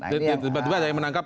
tiba tiba ada yang menangkap